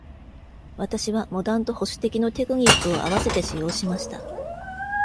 私は、モダンと保守的のテクニックを合わせて使用しました。